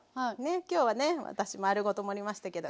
きょうはね私丸ごと盛りましたけど。